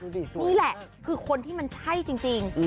นี่แหละคือคนที่มันใช่จริง